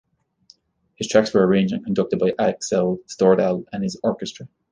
The tracks were arranged and conducted by Axel Stordahl and his orchestra.